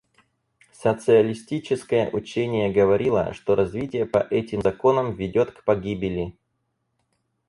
Социалистическое учение говорило, что развитие по этим законам ведет к погибели.